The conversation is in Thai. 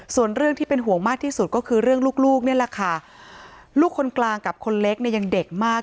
ส่วนเรื่องที่เป็นห่วงมากที่สุดก็คือเรื่องลูกลูกนี่แหละค่ะลูกคนกลางกับคนเล็กเนี่ยยังเด็กมาก